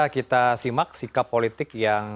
kita simak sikap politik yang